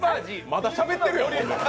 まだしゃべってるよ。